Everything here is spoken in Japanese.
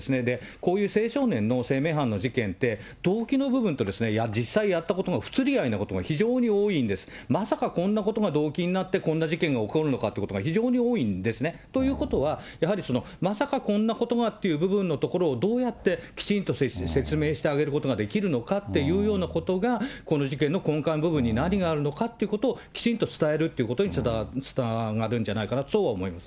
こういう青少年の生命犯の事件で、動機の部分と実際にやったことの不釣り合いなことが非常に多いんです、まさかこんなことが動機になって、こんな事件が起こんのかということが非常に多いんですね。ということは、やはり、まさかこんなことがっていう部分のところをどうやってきちんと説明してあげることができるのかっていうようなことが、この事件の根幹部分に何があるのかということを、きちんと伝えるということにつながるんじゃないかなとは思いますね。